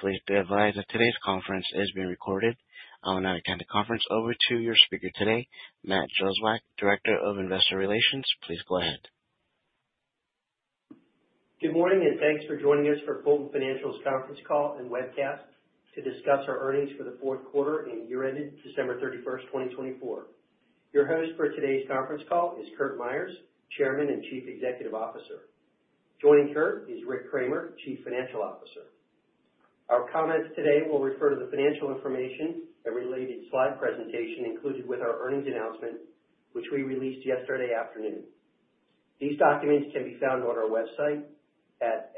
Please be advised that today's conference is being recorded. I will now turn the conference over to your speaker today, Matt Jozwiak, Director of Investor Relations. Please go ahead. Good morning and thanks for joining us for Fulton Financial's Conference Call and Webcast to discuss our earnings for the fourth quarter and year ended December 31st, 2024. Your host for today's conference call is Curt Myers, Chairman and Chief Executive Officer. Joining Curt is Rick Kraemer, Chief Financial Officer. Our comments today will refer to the financial information and related slide presentation included with our earnings announcement, which we released yesterday afternoon. These documents can be found on our website at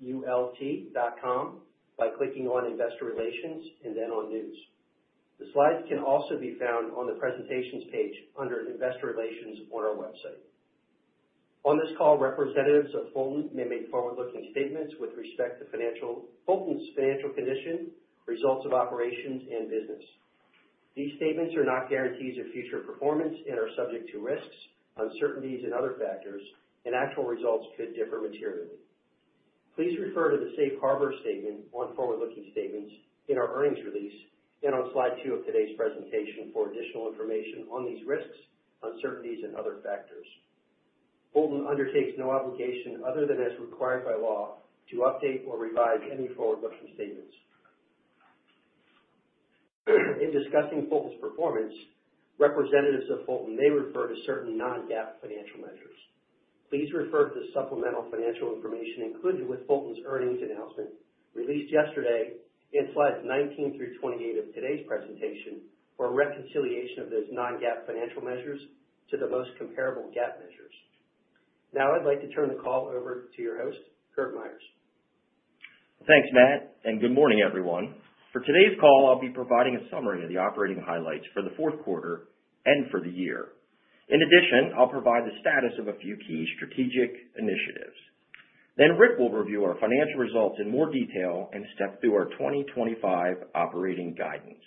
fulton.com by clicking on Investor Relations and then on News. The slides can also be found on the presentations page under Investor Relations on our website. On this call, representatives of Fulton may make forward-looking statements with respect to Fulton's financial condition, results of operations, and business. These statements are not guarantees of future performance and are subject to risks, uncertainties, and other factors, and actual results could differ materially. Please refer to the Safe Harbor statement on forward-looking statements in our earnings release and on slide two of today's presentation for additional information on these risks, uncertainties, and other factors. Fulton undertakes no obligation other than as required by law to update or revise any forward-looking statements. In discussing Fulton's performance, representatives of Fulton may refer to certain non-GAAP financial measures. Please refer to the supplemental financial information included with Fulton's earnings announcement released yesterday in slides 19 through 28 of today's presentation for reconciliation of those non-GAAP financial measures to the most comparable GAAP measures. Now, I'd like to turn the call over to your host, Curt Myers. Thanks, Matt, and good morning, everyone. For today's call, I'll be providing a summary of the operating highlights for the fourth quarter and for the year. In addition, I'll provide the status of a few key strategic initiatives. Then Rick will review our financial results in more detail and step through our 2025 operating guidance.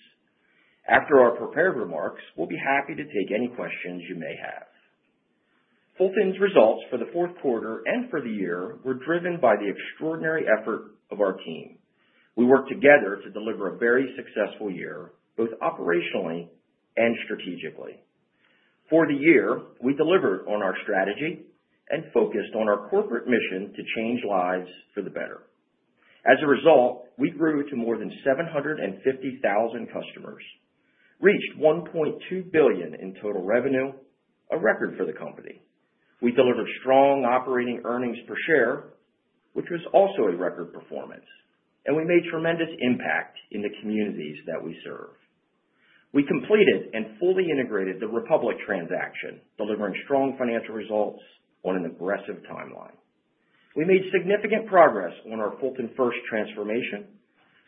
After our prepared remarks, we'll be happy to take any questions you may have. Fulton's results for the fourth quarter and for the year were driven by the extraordinary effort of our team. We worked together to deliver a very successful year, both operationally and strategically. For the year, we delivered on our strategy and focused on our corporate mission to change lives for the better. As a result, we grew to more than 750,000 customers, reached $1.2 billion in total revenue, a record for the company. We delivered strong operating earnings per share, which was also a record performance, and we made tremendous impact in the communities that we serve. We completed and fully integrated the Republic transaction, delivering strong financial results on an aggressive timeline. We made significant progress on our Fulton First transformation.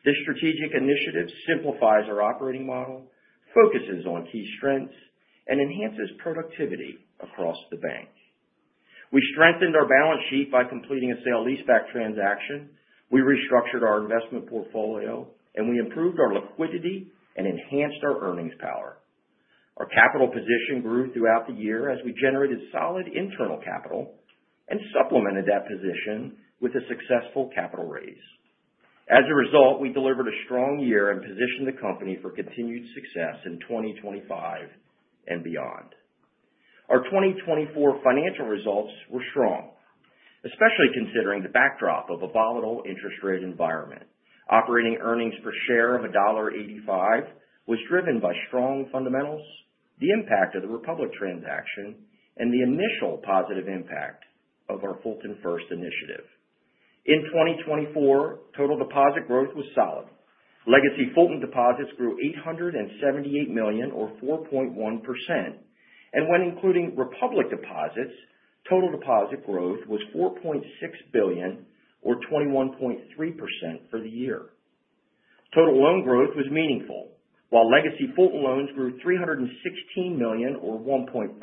This strategic initiative simplifies our operating model, focuses on key strengths, and enhances productivity across the bank. We strengthened our balance sheet by completing a sale leaseback transaction. We restructured our investment portfolio, and we improved our liquidity and enhanced our earnings power. Our capital position grew throughout the year as we generated solid internal capital and supplemented that position with a successful capital raise. As a result, we delivered a strong year and positioned the company for continued success in 2025 and beyond. Our 2024 financial results were strong, especially considering the backdrop of a volatile interest rate environment. Operating earnings per share of $1.85 was driven by strong fundamentals, the impact of the Republic transaction, and the initial positive impact of our Fulton First initiative. In 2024, total deposit growth was solid. Legacy Fulton deposits grew $878 million, or 4.1%, and when including Republic deposits, total deposit growth was $4.6 billion, or 21.3%, for the year. Total loan growth was meaningful. While Legacy Fulton loans grew $316 million, or 1.5%,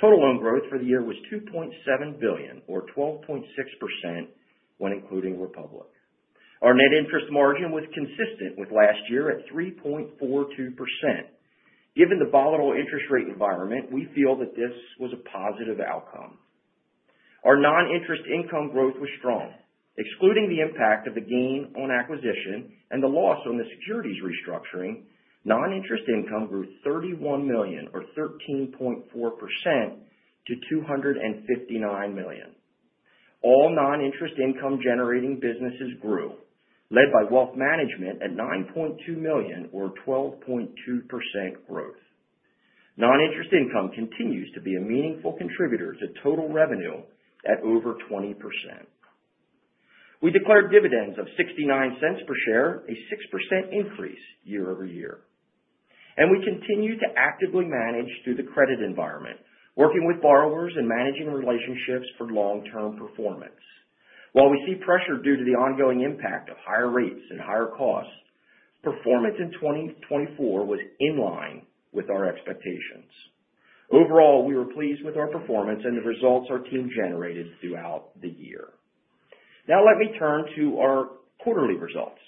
total loan growth for the year was $2.7 billion, or 12.6%, when including Republic. Our net interest margin was consistent with last year at 3.42%. Given the volatile interest rate environment, we feel that this was a positive outcome. Our non-interest income growth was strong. Excluding the impact of the gain on acquisition and the loss on the securities restructuring, non-interest income grew $31 million, or 13.4%, to $259 million. All non-interest income-generating businesses grew, led by Wealth Management at $9.2 million, or 12.2% growth. Non-interest income continues to be a meaningful contributor to total revenue at over 20%. We declared dividends of $0.69 per share, a 6% increase year-over-year. And we continue to actively manage through the credit environment, working with borrowers and managing relationships for long-term performance. While we see pressure due to the ongoing impact of higher rates and higher costs, performance in 2024 was in line with our expectations. Overall, we were pleased with our performance and the results our team generated throughout the year. Now, let me turn to our quarterly results.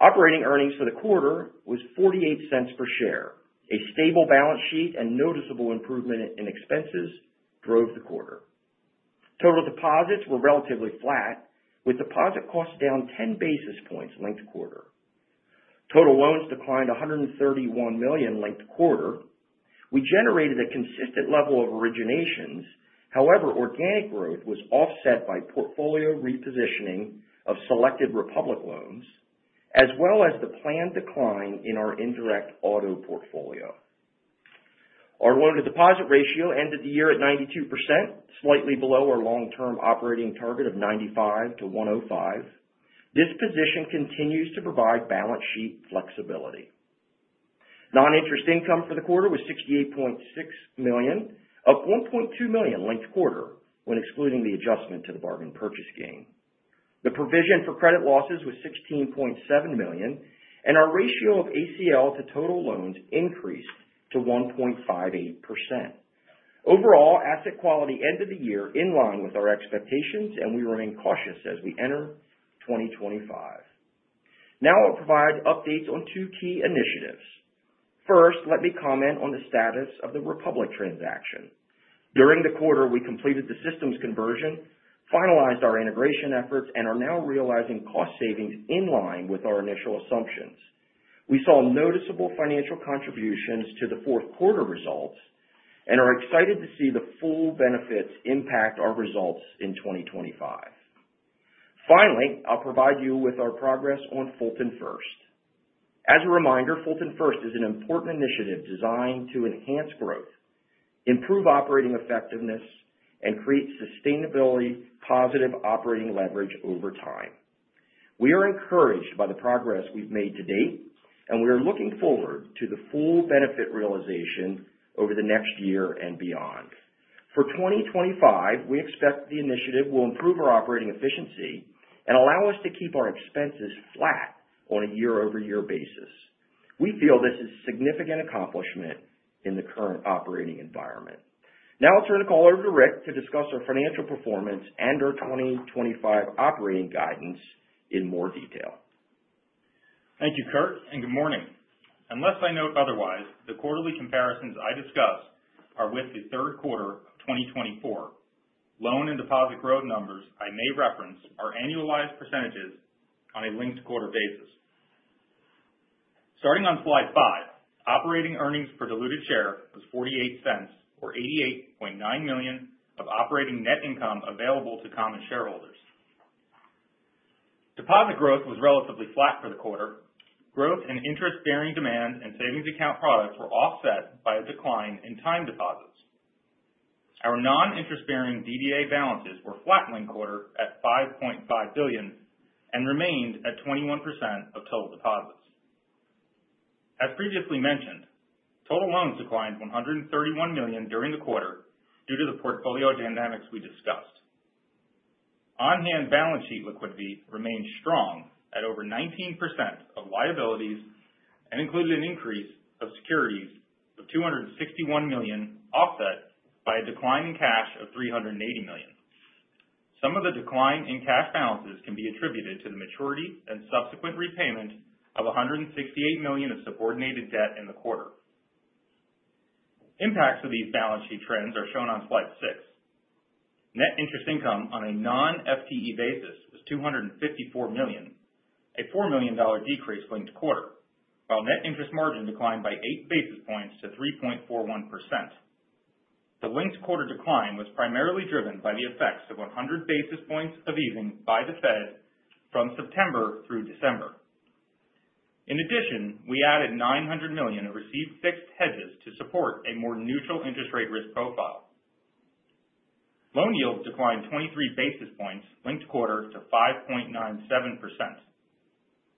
Operating earnings for the quarter was $0.48 per share. A stable balance sheet and noticeable improvement in expenses drove the quarter. Total deposits were relatively flat, with deposit costs down 10 basis points linked quarter. Total loans declined $131 million linked quarter. We generated a consistent level of originations. However, organic growth was offset by portfolio repositioning of selected Republic loans, as well as the planned decline in our indirect auto portfolio. Our loan-to-deposit ratio ended the year at 92%, slightly below our long-term operating target of 95%-105%. This position continues to provide balance sheet flexibility. Non-interest income for the quarter was $68.6 million, up $1.2 million linked quarter when excluding the adjustment to the bargain purchase gain. The provision for credit losses was $16.7 million, and our ratio of ACL to total loans increased to 1.58%. Overall, asset quality ended the year in line with our expectations, and we remain cautious as we enter 2025. Now, I'll provide updates on two key initiatives. First, let me comment on the status of the Republic transaction. During the quarter, we completed the systems conversion, finalized our integration efforts, and are now realizing cost savings in line with our initial assumptions. We saw noticeable financial contributions to the fourth quarter results and are excited to see the full benefits impact our results in 2025. Finally, I'll provide you with our progress on Fulton First. As a reminder, Fulton First is an important initiative designed to enhance growth, improve operating effectiveness, and create sustainability, positive operating leverage over time. We are encouraged by the progress we've made to date, and we are looking forward to the full benefit realization over the next year and beyond. For 2025, we expect the initiative will improve our operating efficiency and allow us to keep our expenses flat on a year-over-year basis. We feel this is a significant accomplishment in the current operating environment. Now, I'll turn the call over to Rick to discuss our financial performance and our 2025 operating guidance in more detail. Thank you, Curt, and good morning. Unless I note otherwise, the quarterly comparisons I discussed are with the third quarter of 2024. Loan and deposit growth numbers I may reference are annualized percentages on a linked quarter basis. Starting on slide five, operating earnings per diluted share was $0.48, or $88.9 million of operating net income available to common shareholders. Deposit growth was relatively flat for the quarter. Growth and interest-bearing demand and savings account products were offset by a decline in time deposits. Our non-interest-bearing DDA balances were flat linked quarter at $5.5 billion and remained at 21% of total deposits. As previously mentioned, total loans declined $131 million during the quarter due to the portfolio dynamics we discussed. On-hand balance sheet liquidity remained strong at over 19% of liabilities and included an increase of securities of $261 million, offset by a decline in cash of $380 million. Some of the decline in cash balances can be attributed to the maturity and subsequent repayment of $168 million of subordinated debt in the quarter. Impacts of these balance sheet trends are shown on slide six. Net interest income on a non-FTE basis was $254 million, a $4 million decrease linked quarter, while net interest margin declined by eight basis points to 3.41%. The linked quarter decline was primarily driven by the effects of 100 basis points of easing by the Fed from September through December. In addition, we added $900 million of receive-fixed hedges to support a more neutral interest rate risk profile. Loan yields declined 23 basis points linked quarter to 5.97%.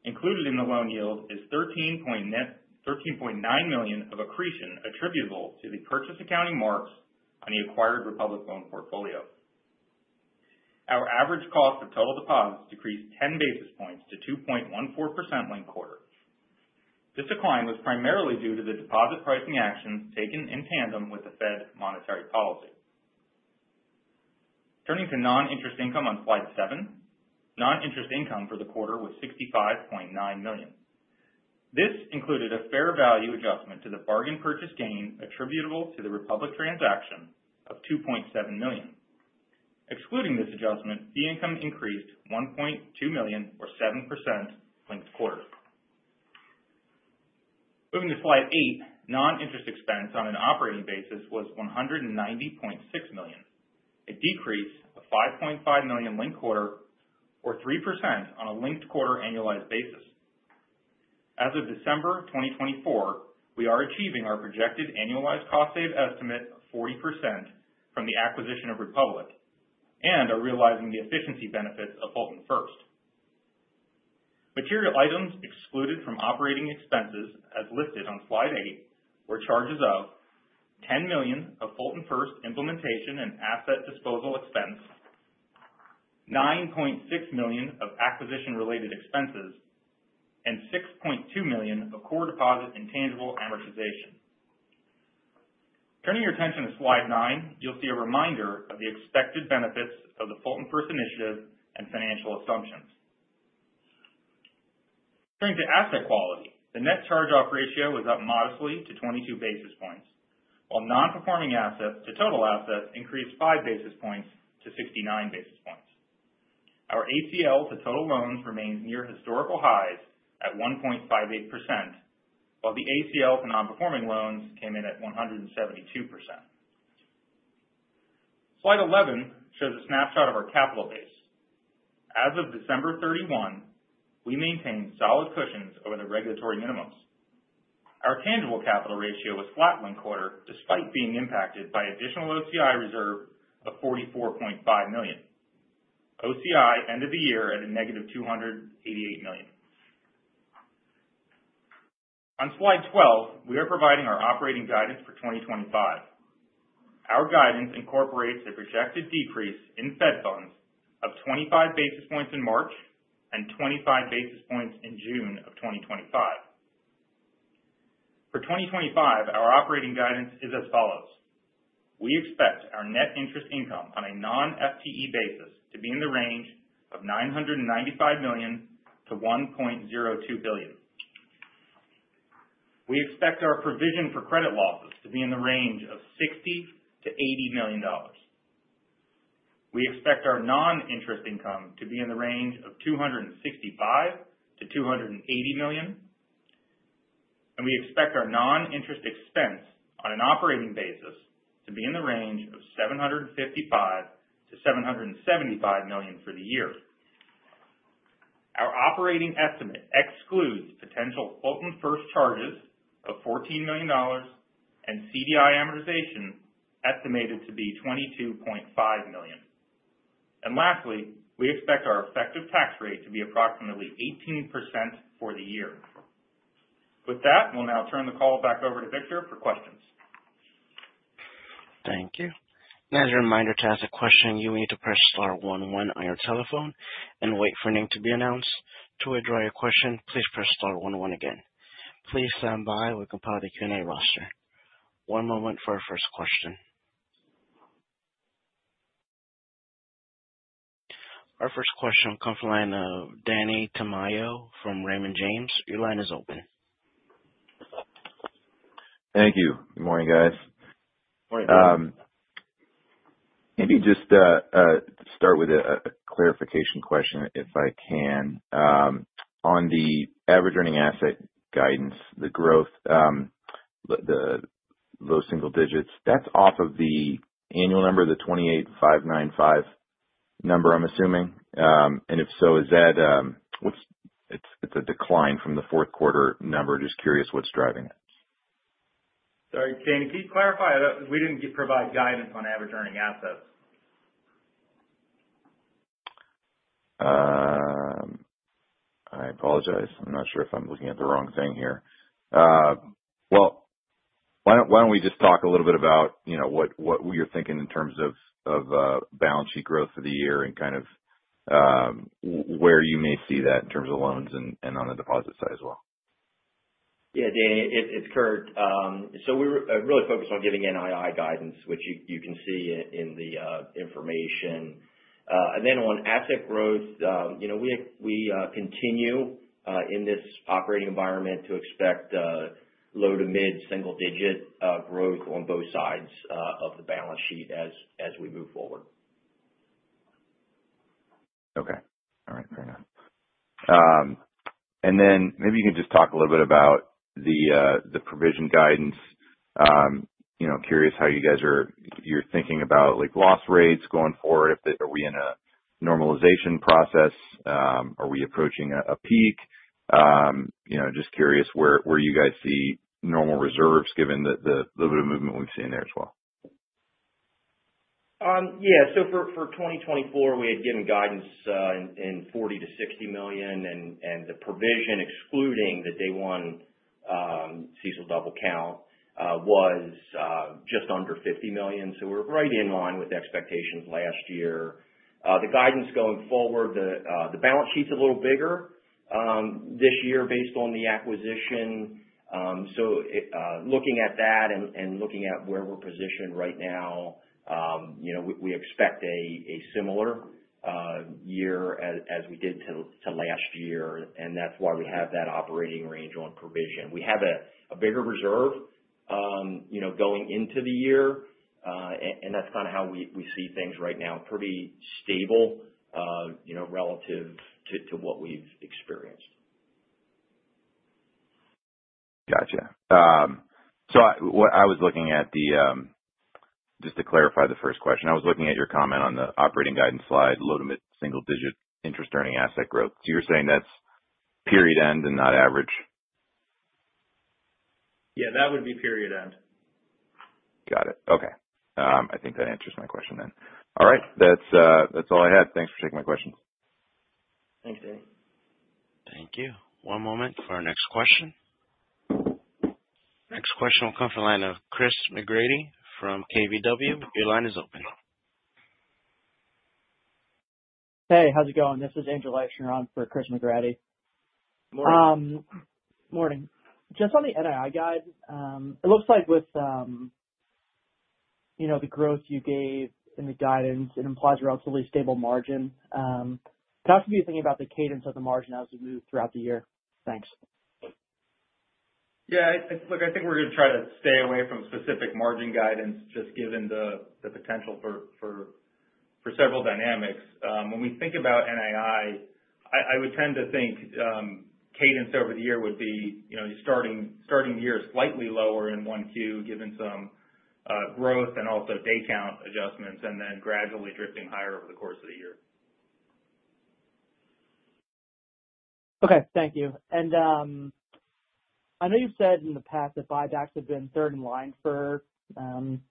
Included in the loan yield is $13.9 million of accretion attributable to the purchase accounting marks on the acquired Republic loan portfolio. Our average cost of total deposits decreased 10 basis points to 2.14% linked quarter. This decline was primarily due to the deposit pricing actions taken in tandem with the Fed monetary policy. Turning to non-interest income on slide seven, non-interest income for the quarter was $65.9 million. This included a fair value adjustment to the bargain purchase gain attributable to the Republic transaction of $2.7 million. Excluding this adjustment, the income increased $1.2 million, or 7%, linked quarter. Moving to slide eight, non-interest expense on an operating basis was $190.6 million, a decrease of $5.5 million linked quarter, or 3% on a linked quarter annualized basis. As of December 2024, we are achieving our projected annualized cost savings estimate of 40% from the acquisition of Republic and are realizing the efficiency benefits of Fulton First. Material items excluded from operating expenses, as listed on slide eight, were charges of $10 million of Fulton First implementation and asset disposal expense, $9.6 million of acquisition-related expenses, and $6.2 million of core deposit intangible amortization. Turning your attention to slide nine, you'll see a reminder of the expected benefits of the Fulton First initiative and financial assumptions. Turning to asset quality, the net charge-off ratio was up modestly to 22 basis points, while non-performing assets to total assets increased 5 basis points to 69 basis points. Our ACL to total loans remains near historical highs at 1.58%, while the ACL to non-performing loans came in at 172%. Slide 11 shows a snapshot of our capital base. As of December 31, we maintained solid cushions over the regulatory minimums. Our tangible capital ratio was flat linked quarter, despite being impacted by additional OCI reserve of $44.5 million. OCI ended the year at a negative $288 million. On slide 12, we are providing our operating guidance for 2025. Our guidance incorporates a projected decrease in Fed funds of 25 basis points in March and 25 basis points in June of 2025. For 2025, our operating guidance is as follows. We expect our net interest income on a non-FTE basis to be in the range of $995 million-$1.02 billion. We expect our provision for credit losses to be in the range of $60 million-$80 million. We expect our non-interest income to be in the range of $265 million-$280 million, and we expect our non-interest expense on an operating basis to be in the range of $755 million-$775 million for the year. Our operating estimate excludes potential Fulton First charges of $14 million and CDI amortization estimated to be $22.5 million. Lastly, we expect our effective tax rate to be approximately 18% for the year. With that, we'll now turn the call back over to Victor for questions. Thank you. And as a reminder, to ask a question, you will need to press star one-one on your telephone and wait for a name to be announced. To withdraw your question, please press star one-one again. Please stand by while we compile the Q&A roster. One moment for our first question. Our first question will come from the line of Danny Tamayo from Raymond James. Your line is open. Thank you. Good morning, guys. Morning, Danny. Maybe just start with a clarification question, if I can. On the average earning asset guidance, the growth, the low single digits, that's off of the annual number, the 28,595 number, I'm assuming. And if so, is that what it is, a decline from the fourth quarter number. Just curious what's driving it. Sorry, Danny, can you clarify? We didn't provide guidance on average earning assets. I apologize. I'm not sure if I'm looking at the wrong thing here. Well, why don't we just talk a little bit about what you're thinking in terms of balance sheet growth for the year and kind of where you may see that in terms of loans and on the deposit side as well. Yeah, Danny, it's Curt, so we really focused on giving NII guidance, which you can see in the information, and then on asset growth, we continue in this operating environment to expect low to mid single digit growth on both sides of the balance sheet as we move forward. Okay. All right. Fair enough. And then maybe you can just talk a little bit about the provision guidance. Curious how you guys are thinking about loss rates going forward. Are we in a normalization process? Are we approaching a peak? Just curious where you guys see normal reserves, given the little bit of movement we've seen there as well. Yeah. So for 2024, we had given guidance in $40 million-$60 million, and the provision, excluding the day one CECL double count, was just under $50 million. So we're right in line with expectations last year. The guidance going forward, the balance sheet's a little bigger this year based on the acquisition. So looking at that and looking at where we're positioned right now, we expect a similar year as we did to last year, and that's why we have that operating range on provision. We have a bigger reserve going into the year, and that's kind of how we see things right now. Pretty stable relative to what we've experienced. Gotcha. So I was looking at it just to clarify the first question, your comment on the operating guidance slide, low- to mid-single-digit interest-earning asset growth. So you're saying that's period-end and not average? Yeah, that would be period end. Got it. Okay. I think that answers my question then. All right. That's all I had. Thanks for taking my questions. Thanks, Danny. Thank you. One moment for our next question. Next question will come from the line of Chris McGratty from KBW. Your line is open. Hey, how's it going? This is Angel on for Chris McGratty. Morning. Morning. Just on the NII guide, it looks like with the growth you gave in the guidance, it implies a relatively stable margin. Can I ask if you're thinking about the cadence of the margin as we move throughout the year? Thanks. Yeah. Look, I think we're going to try to stay away from specific margin guidance, just given the potential for several dynamics. When we think about NII, I would tend to think cadence over the year would be starting the year slightly lower in 1Q, given some growth and also day count adjustments, and then gradually drifting higher over the course of the year. Okay. Thank you. And I know you've said in the past that buybacks have been third in line for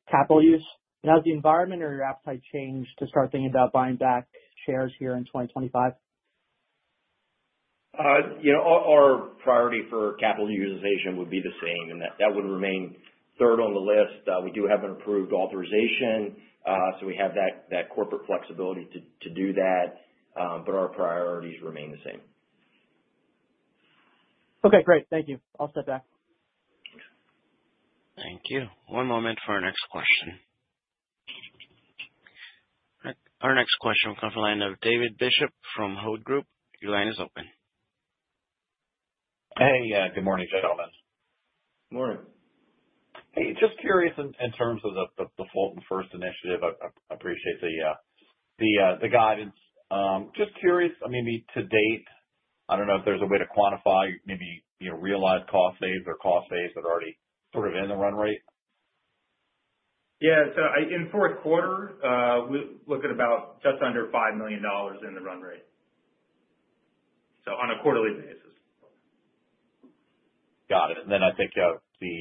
capital use. Has the environment or your appetite changed to start thinking about buying back shares here in 2025? Our priority for capital utilization would be the same, and that would remain third on the list. We do have an approved authorization, so we have that corporate flexibility to do that, but our priorities remain the same. Okay. Great. Thank you. I'll step back. Thank you. One moment for our next question. Our next question will come from the line of David Bishop from Hovde Group. Your line is open. Hey, good morning, gentlemen. Morning. Hey, just curious in terms of the Fulton First initiative. I appreciate the guidance. Just curious, maybe to date, I don't know if there's a way to quantify maybe realized cost saves or cost saves that are already sort of in the run rate? Yeah. So in fourth quarter, we look at about just under $5 million in the run rate. So on a quarterly basis. Got it. And then I think the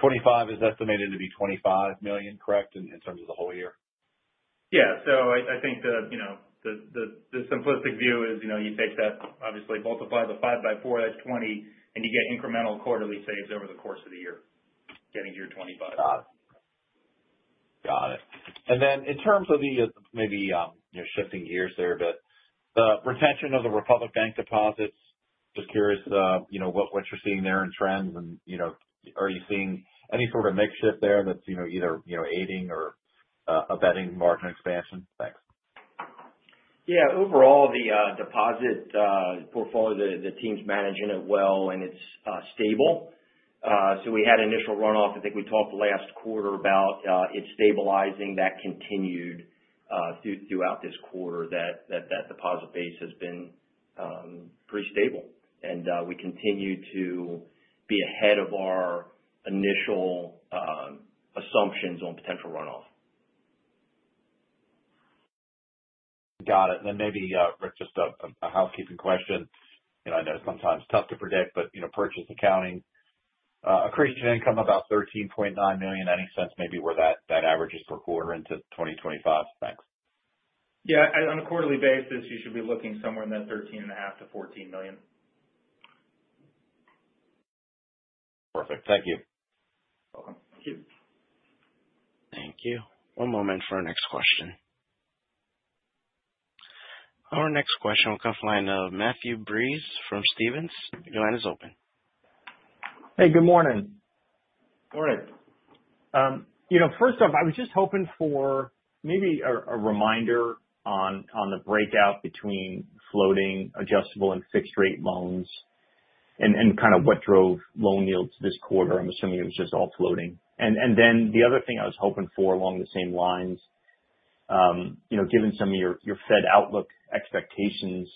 25 is estimated to be $25 million, correct, in terms of the whole year? Yeah. So I think the simplistic view is you take that, obviously, multiply the five by four, that's 20, and you get incremental quarterly saves over the course of the year, getting to your 25. Got it. Got it. And then in terms of the maybe shifting gears there, but the retention of the Republic Bank deposits, just curious what you're seeing there in trends, and are you seeing any sort of makeshift there that's either aiding or abetting margin expansion? Thanks. Yeah. Overall, the deposit portfolio, the team's managing it well, and it's stable. So we had initial runoff. I think we talked last quarter about it stabilizing. That continued throughout this quarter. That deposit base has been pretty stable, and we continue to be ahead of our initial assumptions on potential runoff. Got it. And then maybe, Rick, just a housekeeping question. I know sometimes it's tough to predict, but purchase accounting, accretion income about $13.9 million. Any sense maybe where that averages per quarter into 2025? Thanks. Yeah. On a quarterly basis, you should be looking somewhere in that $13.5 million-$14 million. Perfect. Thank you. You're welcome. Thank you. Thank you. One moment for our next question. Our next question will come from the line of Matthew Breese from Stephens. Your line is open. Hey, good morning. Morning. First off, I was just hoping for maybe a reminder on the breakout between floating, adjustable, and fixed-rate loans and kind of what drove loan yields this quarter. I'm assuming it was just all floating. And then the other thing I was hoping for along the same lines, given some of your Fed outlook expectations,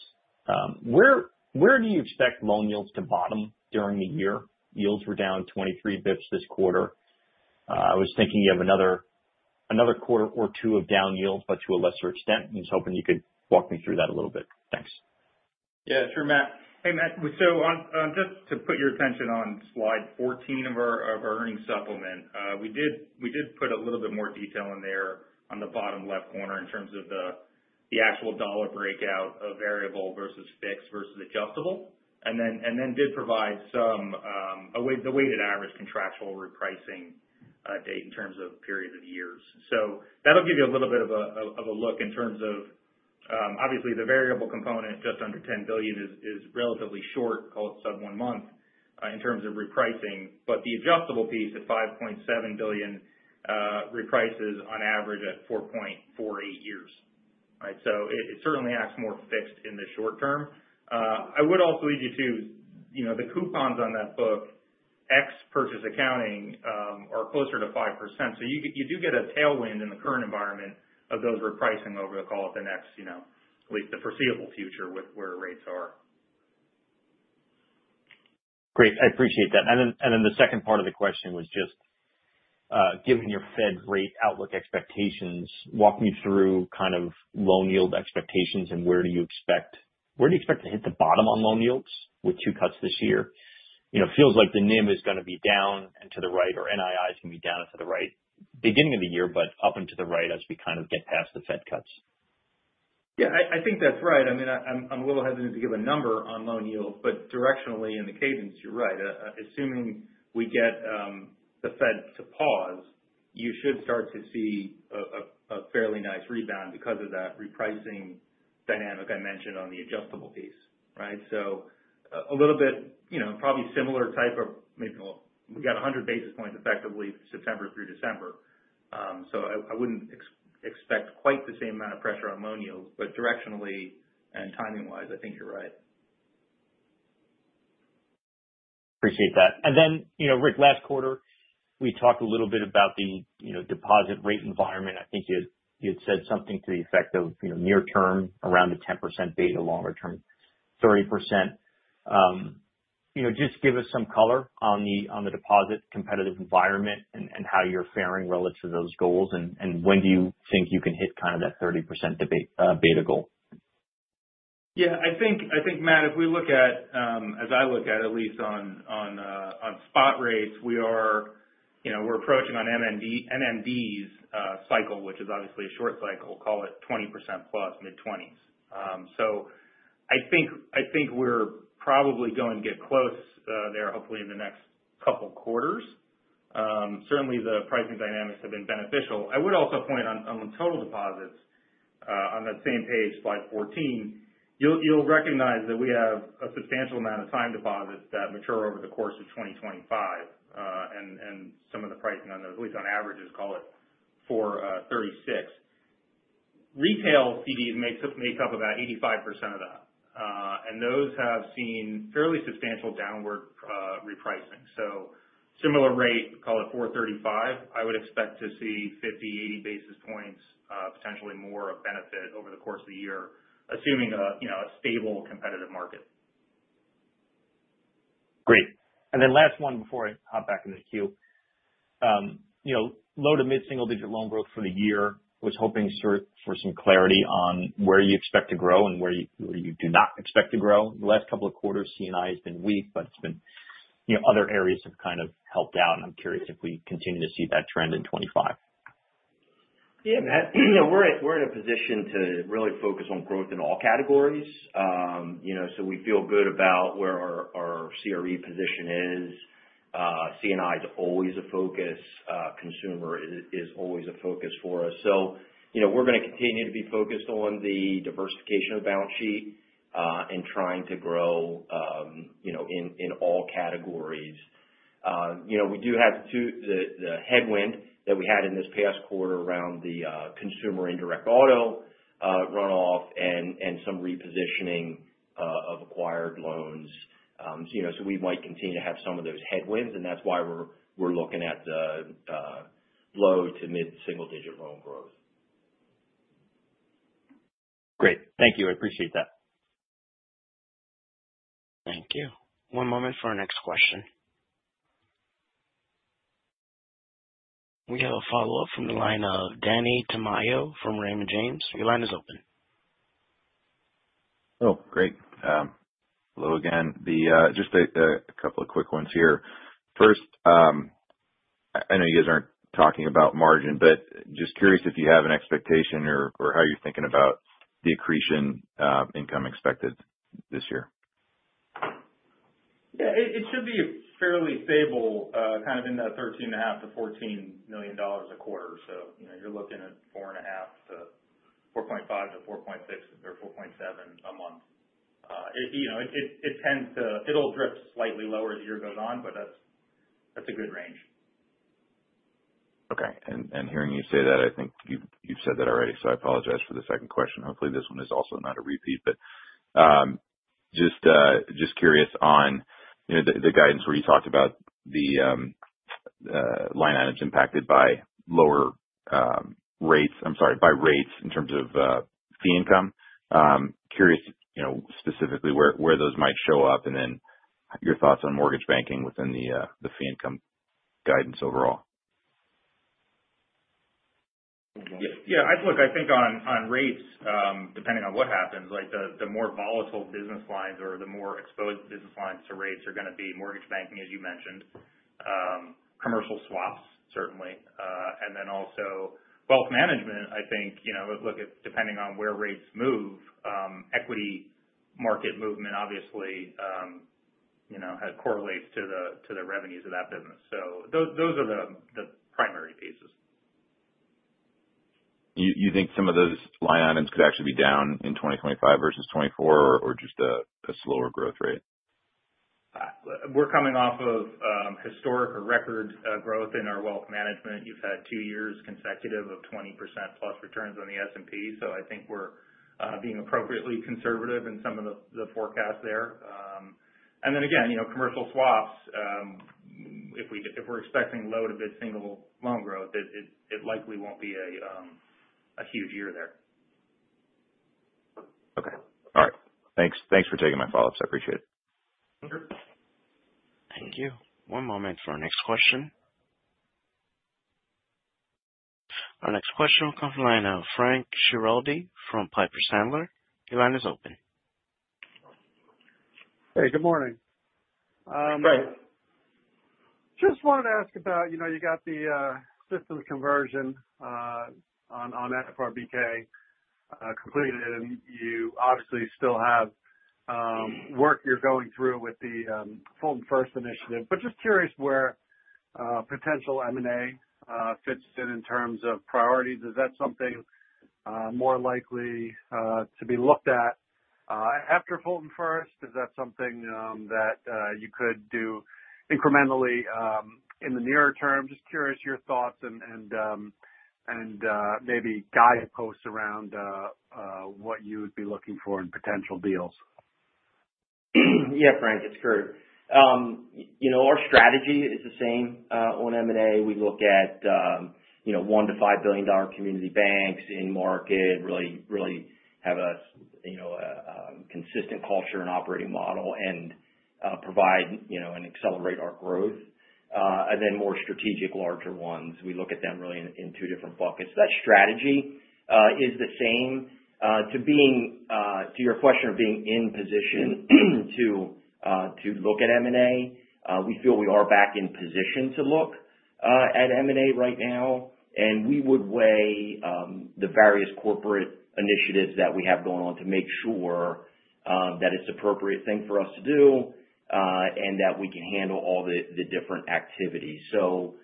where do you expect loan yields to bottom during the year? Yields were down 23 basis points this quarter. I was thinking you have another quarter or two of down yields, but to a lesser extent. I was hoping you could walk me through that a little bit. Thanks. Yeah. Sure, Matt. Hey, Matt. So just to put your attention on slide 14 of our earnings supplement, we did put a little bit more detail in there on the bottom left corner in terms of the actual dollar breakout of variable versus fixed versus adjustable, and then did provide some the weighted average contractual repricing date in terms of period of years. So that'll give you a little bit of a look in terms of, obviously, the variable component just under $10 billion is relatively short, call it sub one month in terms of repricing, but the adjustable piece at $5.7 billion reprices on average at 4.48 years. All right. So it certainly acts more fixed in the short term. I would also lead you to the coupons on that book, ex-purchase accounting, are closer to 5%. So you do get a tailwind in the current environment of those repricing over, call it the next, at least the foreseeable future with where rates are. Great. I appreciate that. And then the second part of the question was just given your Fed rate outlook expectations, walk me through kind of loan yield expectations and where do you expect to hit the bottom on loan yields with two cuts this year? It feels like the NIM is going to be down and to the right, or NII is going to be down and to the right, beginning of the year, but up and to the right as we kind of get past the Fed cuts. Yeah. I think that's right. I mean, I'm a little hesitant to give a number on loan yields, but directionally in the cadence, you're right. Assuming we get the Fed to pause, you should start to see a fairly nice rebound because of that repricing dynamic I mentioned on the adjustable piece, right? So a little bit probably similar type of maybe we got 100 basis points effectively September through December. So I wouldn't expect quite the same amount of pressure on loan yields, but directionally and timing-wise, I think you're right. Appreciate that. And then, Rick, last quarter, we talked a little bit about the deposit rate environment. I think you had said something to the effect of near-term around the 10% beta, longer-term 30%. Just give us some color on the deposit competitive environment and how you're faring relative to those goals, and when do you think you can hit kind of that 30% beta goal? Yeah. I think, Matt, if we look at, as I look at, at least on spot rates, we're approaching on NMDs cycle, which is obviously a short cycle, call it 20%+, mid-20s. So I think we're probably going to get close there, hopefully in the next couple of quarters. Certainly, the pricing dynamics have been beneficial. I would also point out on the total deposits, on that same page, slide 14, you'll recognize that we have a substantial amount of time deposits that mature over the course of 2025, and some of the pricing on those, at least on average, is call it 3.6%. Retail CDs make up about 85% of that, and those have seen fairly substantial downward repricing. So similar rate, call it 4.35, I would expect to see 50-80 basis points, potentially more of benefit over the course of the year, assuming a stable competitive market. Great, and then last one before I hop back into the queue. Low to mid single digit loan growth for the year. I was hoping for some clarity on where you expect to grow and where you do not expect to grow. The last couple of quarters, C&I has been weak, but it's been other areas have kind of helped out. I'm curious if we continue to see that trend in 2025? Yeah, Matt. We're in a position to really focus on growth in all categories. So we feel good about where our CRE position is. C&I is always a focus. Consumer is always a focus for us. So we're going to continue to be focused on the diversification of balance sheet and trying to grow in all categories. We do have the headwind that we had in this past quarter around the consumer indirect auto runoff and some repositioning of acquired loans. So we might continue to have some of those headwinds, and that's why we're looking at the low to mid single digit loan growth. Great. Thank you. I appreciate that. Thank you. One moment for our next question. We have a follow-up from the line of Danny Tamayo from Raymond James. Your line is open. Oh, great. Hello again. Just a couple of quick ones here. First, I know you guys aren't talking about margin, but just curious if you have an expectation or how you're thinking about the accretion income expected this year. Yeah. It should be fairly stable kind of in that $13.5 million-$14 million dollars a quarter. So you're looking at $4.5 million-$4.6 million or $4.7 million a month. It tends to drift slightly lower as the year goes on, but that's a good range. Okay. And hearing you say that, I think you've said that already, so I apologize for the second question. Hopefully, this one is also not a repeat, but just curious on the guidance where you talked about the line items impacted by lower rates. I'm sorry, by rates in terms of fee income. Curious specifically where those might show up and then your thoughts on mortgage banking within the fee income guidance overall. Yeah. Look, I think on rates, depending on what happens, the more volatile business lines or the more exposed business lines to rates are going to be mortgage banking, as you mentioned, commercial swaps, certainly, and then also wealth management. I think, look, depending on where rates move, equity market movement obviously correlates to the revenues of that business. So those are the primary pieces. You think some of those line items could actually be down in 2025 versus 2024 or just a slower growth rate? We're coming off of historic or record growth in our wealth management. You've had two years consecutive of 20%+ returns on the S&P, so I think we're being appropriately conservative in some of the forecasts there, and then again, commercial swaps, if we're expecting low to mid single loan growth, it likely won't be a huge year there. Okay. All right. Thanks for taking my follow-ups. I appreciate it. Sure. Thank you. One moment for our next question. Our next question will come from the line of Frank Schiraldi from Piper Sandler. Your line is open. Hey, good morning. Hey, Frank. Just wanted to ask about you got the systems conversion on FRBK completed, and you obviously still have work you're going through with the Fulton First initiative, but just curious where potential M&A fits in terms of priorities. Is that something more likely to be looked at after Fulton First? Is that something that you could do incrementally in the nearer term? Just curious your thoughts and maybe guideposts around what you would be looking for in potential deals. Yeah, Frank, it's good. Our strategy is the same on M&A. We look at $1 billion-$5 billion community banks in market, really have a consistent culture and operating model and provide and accelerate our growth, and then more strategic larger ones. We look at them really in two different buckets. That strategy is the same to your question of being in position to look at M&A. We feel we are back in position to look at M&A right now, and we would weigh the various corporate initiatives that we have going on to make sure that it's the appropriate thing for us to do and that we can handle all the different activities. So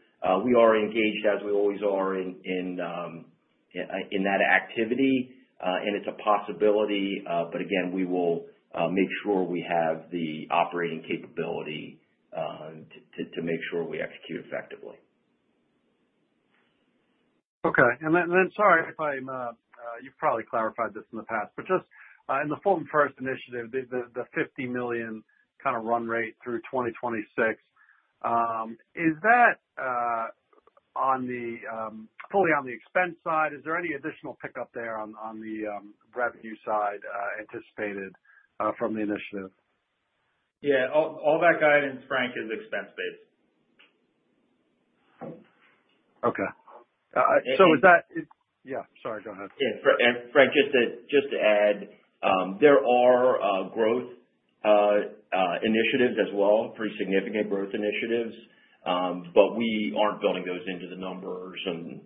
we are engaged, as we always are, in that activity, and it's a possibility, but again, we will make sure we have the operating capability to make sure we execute effectively. Okay, and then, sorry, you've probably clarified this in the past, but just in the Fulton First initiative, the $50 million kind of run rate through 2026, is that fully on the expense side? Is there any additional pickup there on the revenue side anticipated from the initiative? Yeah. All that guidance, Frank, is expense-based. Okay. So is that. Yeah. Sorry, go ahead. Yeah. Frank, just to add, there are growth initiatives as well, pretty significant growth initiatives, but we aren't building those into the numbers, and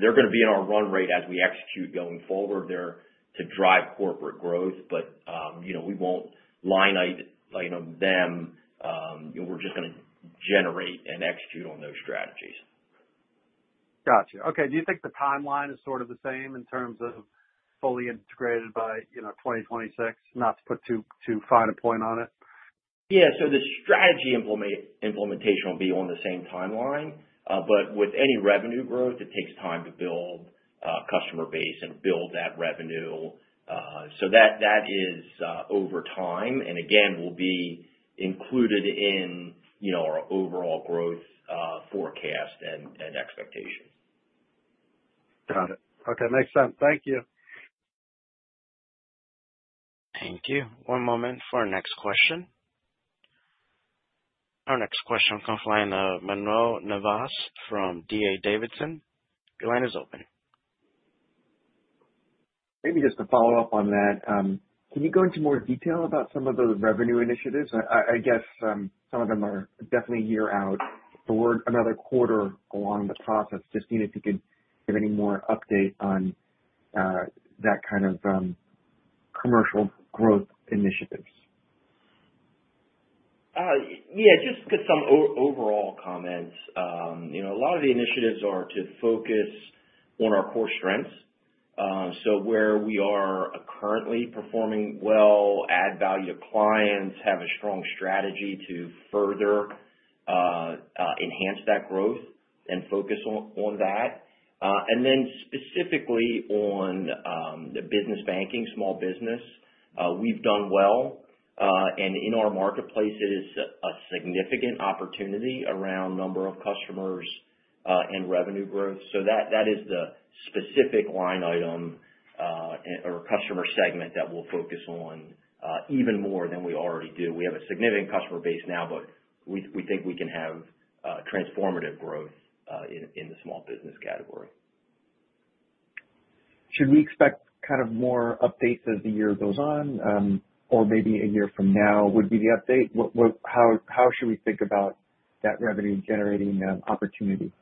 they're going to be in our run rate as we execute going forward there to drive corporate growth, but we won't line item them. We're just going to generate and execute on those strategies. Gotcha. Okay. Do you think the timeline is sort of the same in terms of fully integrated by 2026, not to put too fine a point on it? Yeah. So the strategy implementation will be on the same timeline, but with any revenue growth, it takes time to build customer base and build that revenue. So that is over time and again, will be included in our overall growth forecast and expectations. Got it. Okay. Makes sense. Thank you. Thank you. One moment for our next question. Our next question will come from Manuel Navas from D.A. Davidson. Your line is open. Maybe just to follow up on that, can you go into more detail about some of those revenue initiatives? I guess some of them are definitely year-out. For another quarter along the process, just seeing if you could give any more update on that kind of commercial growth initiatives. Yeah. Just some overall comments. A lot of the initiatives are to focus on our core strengths. So where we are currently performing well, add value to clients, have a strong strategy to further enhance that growth and focus on that. And then specifically on the business banking, small business, we've done well. And in our marketplace, it is a significant opportunity around number of customers and revenue growth. So that is the specific line item or customer segment that we'll focus on even more than we already do. We have a significant customer base now, but we think we can have transformative growth in the small business category. Should we expect kind of more updates as the year goes on or maybe a year from now would be the update? How should we think about that revenue-generating opportunity?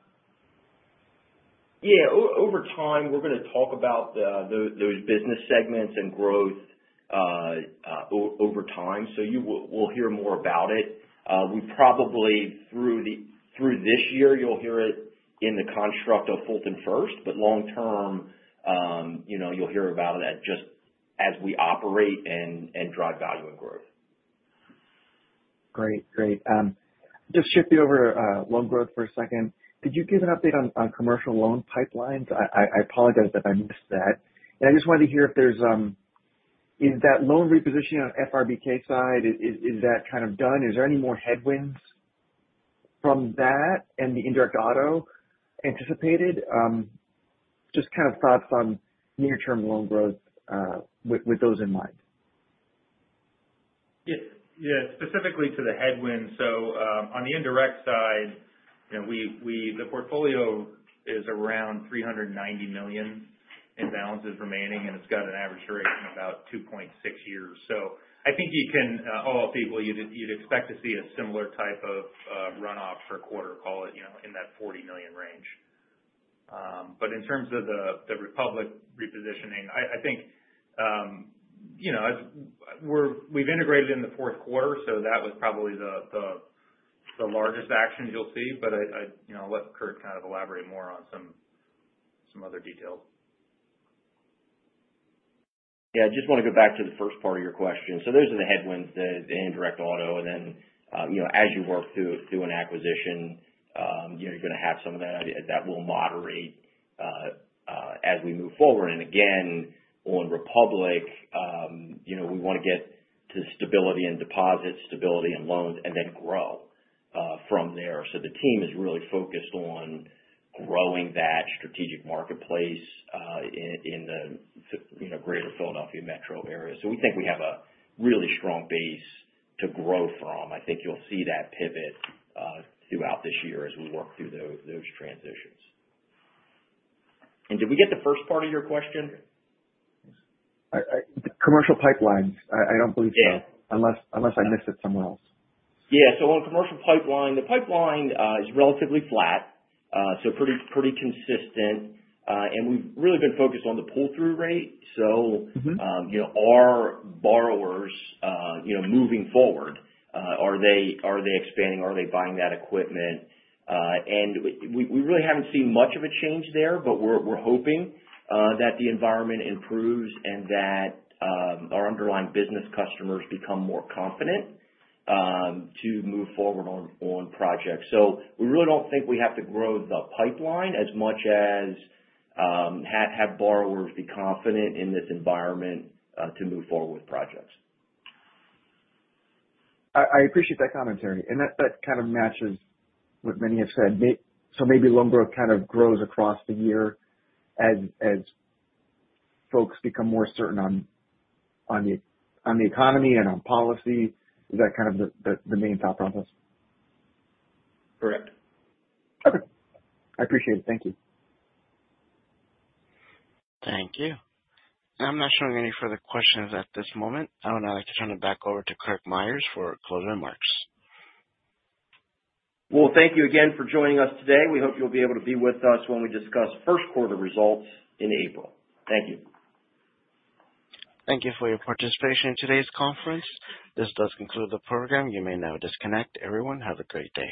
Yeah. Over time, we're going to talk about those business segments and growth over time. So you will hear more about it. Through this year, you'll hear it in the construct of Fulton First, but long-term, you'll hear about it just as we operate and drive value and growth. Great. Great. Just shifting over to loan growth for a second. Could you give an update on commercial loan pipelines? I apologize if I missed that, and I just wanted to hear if there's that loan repositioning on FRBK side, is that kind of done? Is there any more headwinds from that and the indirect auto anticipated? Just kind of thoughts on near-term loan growth with those in mind. Yeah. Specifically to the headwinds, so on the indirect side, the portfolio is around $390 million in balances remaining, and it's got an average duration of about 2.6 years. So I think you can all appreciate, you'd expect to see a similar type of runoff for a quarter, call it in that $40 million range. But in terms of the Republic repositioning, I think we've integrated in the fourth quarter, so that was probably the largest action you'll see, but I'll let Curt kind of elaborate more on some other details. Yeah. I just want to go back to the first part of your question. So those are the headwinds, the indirect auto, and then as you work through an acquisition, you're going to have some of that that will moderate as we move forward. And again, on Republic, we want to get to stability in deposits, stability in loans, and then grow from there. So the team is really focused on growing that strategic marketplace in the greater Philadelphia metro area. So we think we have a really strong base to grow from. I think you'll see that pivot throughout this year as we work through those transitions. And did we get the first part of your question? Commercial pipelines. I don't believe so. Unless I missed it somewhere else. Yeah. So on commercial pipeline, the pipeline is relatively flat, so pretty consistent. And we've really been focused on the pull-through rate. So are borrowers moving forward? Are they expanding? Are they buying that equipment? And we really haven't seen much of a change there, but we're hoping that the environment improves and that our underlying business customers become more confident to move forward on projects. So we really don't think we have to grow the pipeline as much as have borrowers be confident in this environment to move forward with projects. I appreciate that commentary. And that kind of matches what many have said. So maybe loan growth kind of grows across the year as folks become more certain on the economy and on policy. Is that kind of the main thought process? Correct. Okay. I appreciate it. Thank you. Thank you. I'm not showing any further questions at this moment. I would now like to turn it back over to Curt Myers for closing remarks. Thank you again for joining us today. We hope you'll be able to be with us when we discuss first quarter results in April. Thank you. Thank you for your participation in today's conference. This does conclude the program. You may now disconnect. Everyone, have a great day.